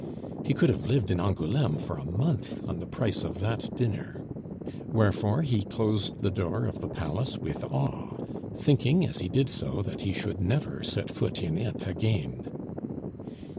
He could have lived in Angouleme for a month on the price of that dinner. Wherefore he closed the door of the palace with awe, thinking as he did so that he should never set foot in it again.